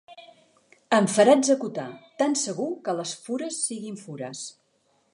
Em farà executar, tan segur que les fures siguin fures.